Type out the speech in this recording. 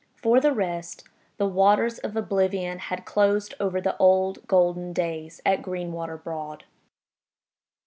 For the rest, the waters of oblivion had closed over the old golden days at Greenwater Broad.